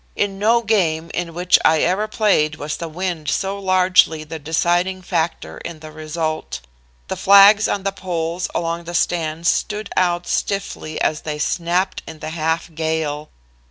In no game in which I ever played was the wind so largely the deciding factor in the result. The flags on the poles along the stands stood out stiffly as they snapped in the half gale.